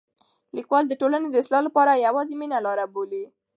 لیکوال د ټولنې د اصلاح لپاره یوازې مینه لاره بولي.